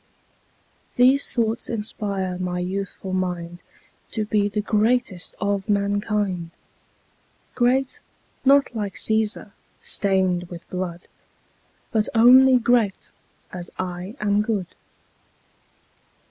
These thoughts inspire my youthful mind To be the greatest of mankind: Great, not like Cæsar, stained with blood, But only great as I am good.